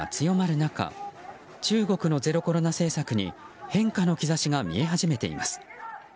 中国のゼロコロナ政策に変化の兆しが見え始めています。